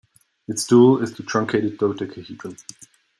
Its dual is the truncated dodecahedron.